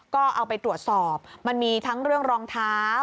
ก็เอาไปตรวจสอบมันมีทั้งเรื่องรองเท้า